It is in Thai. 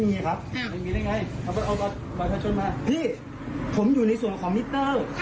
พี่ผมอยู่ในส่วนของมิดเตอร์